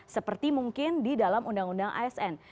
seperti mungkin di dalam undang undang asn